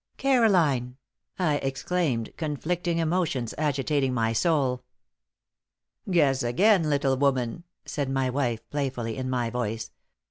"Caroline!" I exclaimed, conflicting emotions agitating my soul. "Guess again, little woman," said my wife, playfully, in my voice.